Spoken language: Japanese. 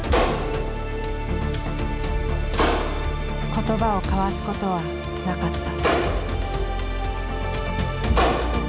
言葉を交わすことはなかった。